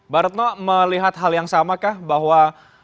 barutno melihat hal yang samakah bahwa